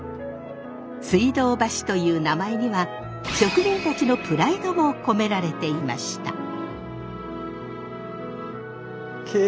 水道橋という名前には職人たちのプライドも込められていました。